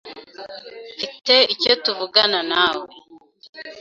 Mfite icyo tuvugana nawe.